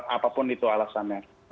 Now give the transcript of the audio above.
apapun itu alasannya